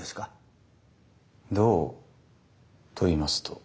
どうといいますと？